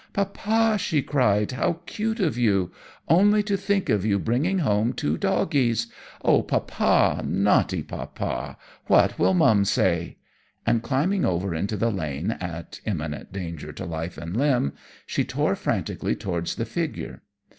"Poppa," she cried, "how cute of you! Only to think of you bringing home two doggies! Oh, Poppa, naughty Poppa, what will mum say?" and climbing over into the lane at imminent danger to life and limb, she tore frantically towards the figure.